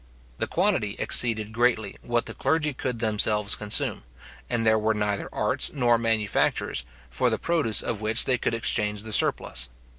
The quantity exceeded greatly what the clergy could themselves consume; and there were neither arts nor manufactures, for the produce of which they could exchange the surplus.